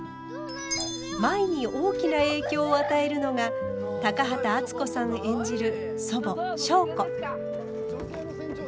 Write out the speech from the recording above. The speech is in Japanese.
舞に大きな影響を与えるのが高畑淳子さん演じる祖母祥子。